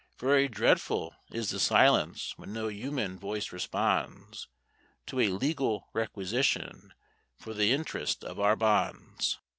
Very dreadful is the silence when no human voice responds To a legal requisition for the interest of our bonds.